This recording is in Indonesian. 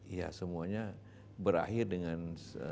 ya semuanya berakhir dengan